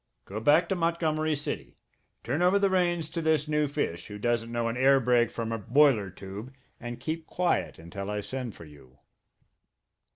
Go back to Montgomery City, turn over the reins to this new fish, who doesn't know an air brake from a boiler tube, and keep quiet until I send for you."